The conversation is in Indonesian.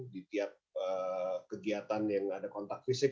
di tiap kegiatan yang ada kontak fisik